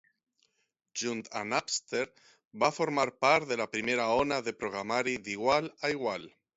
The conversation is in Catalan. Junt amb Napster, va formar part de la primera ona de programari d'igual a igual.